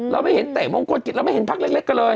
เราไม่เห็นเตะมงคลกิจเราไม่เห็นพักเล็กกันเลย